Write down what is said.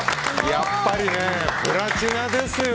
やっぱりね、プラチナですよ。